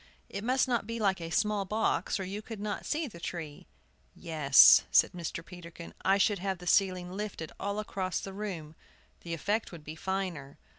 It must not be like a small box, or you could not see the tree. "Yes," said Mr. Peterkin, "I should have the ceiling lifted all across the room; the effect would be finer."